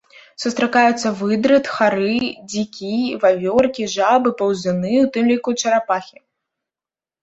Сустракаюцца выдры, тхары, дзікі, вавёркі, жабы, паўзуны, у тым ліку чарапахі.